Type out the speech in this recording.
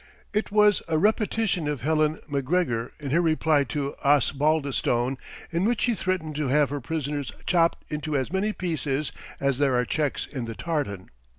It was a repetition of Helen Macgregor, in her reply to Osbaldistone in which she threatened to have her prisoners "chopped into as many pieces as there are checks in the tartan."